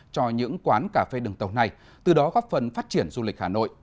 cho những quán cà phê đường tàu này từ đó góp phần phát triển du lịch hà nội